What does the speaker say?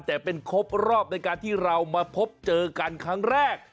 แต่เป็นครบรอบในการที่เรามาพบเจอกันครั้งแรก